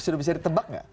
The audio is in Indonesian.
sudah bisa ditebak gak